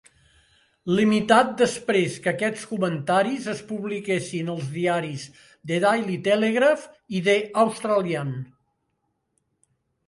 Limitat després que aquests comentaris es publiquessin als diaris "The Daily Telegraph" i "The Australian".